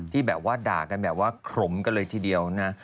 ที่แบบว่าด่ากันแบบว่าขลมกันเลยทีเดียวนะ